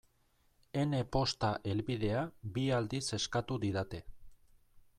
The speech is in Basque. Ene posta helbidea bi aldiz eskatu didate.